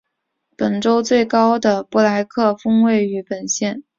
本州最高的布莱克峰位于本县。